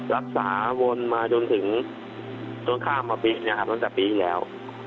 รักษาวนมาจนถึงต้นข้ามปีอีกแล้ว